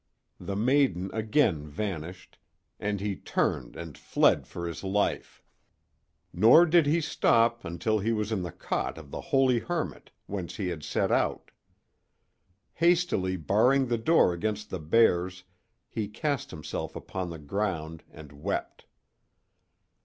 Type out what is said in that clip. The maiden again vanished, and he turned and fled for his life. Nor did he stop until he was in the cot of the holy hermit, whence he had set out. Hastily barring the door against the bears he cast himself upon the ground and wept.